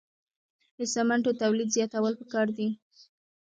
د سمنټو تولید زیاتول پکار دي